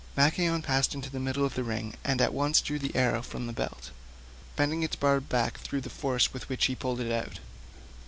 Machaon passed into the middle of the ring and at once drew the arrow from the belt, bending its barbs back through the force with which he pulled it out.